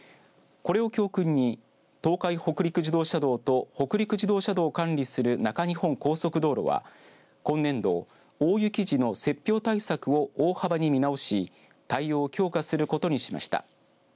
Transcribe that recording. これを教訓に東海北陸自動車道と北陸自動車道を管理する中日本高速道路は今年度大雪時の雪氷対策を大幅に見直し、対応を強化することにしました。